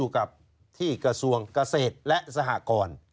ชีวิตกระมวลวิสิทธิ์สุภาณฑ์